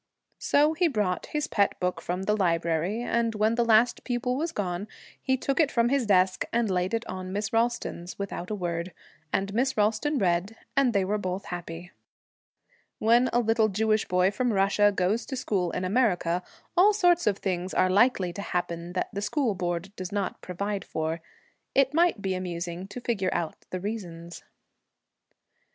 So he brought his pet book from the library, and when the last pupil was gone, he took it from his desk and laid it on Miss Ralston's, without a word; and Miss Ralston read, and they were both happy. When a little Jewish boy from Russia goes to school in America, all sorts of things are likely to happen that the School Board does not provide for. It might be amusing to figure out the reasons.